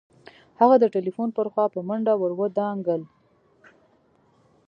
هغه د ټليفون پر خوا په منډه ور ودانګل.